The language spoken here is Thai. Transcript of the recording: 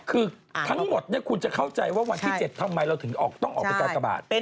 คือทั้งหมดคุณจะเข้าใจว่าวันที่๗ทำไมเราถึงต้องออกไปกากบาท